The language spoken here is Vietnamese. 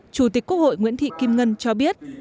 chủ tịch quốc hội nguyễn thị kim ngân cho biết